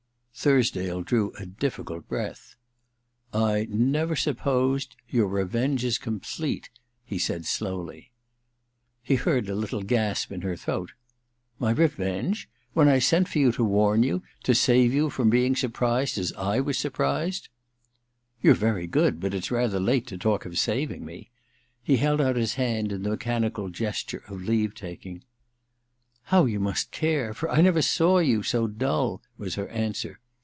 * Thursdale drew a difficult breath. * I never supposed— your revenge is complete,' he ssud slowly. He heard a little gasp in her throat. ^ My revenge ? When I sent for you to warn you — to save you from being surprised as / was surprised f ' *YouVe very good — ^but it's rather late to THE DILETTANTE 279 talk of saving me.' He held out his hand in the mechanical gesture of leave taking. ' How you must care !— for I never saw you so dull/ was her answer.